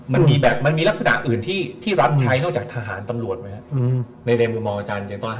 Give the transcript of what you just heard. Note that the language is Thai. มันมีแบบมันมีลักษณะอื่นที่รับใช้นอกจากทหารตำรวจไหมครับในมุมมองอาจารย์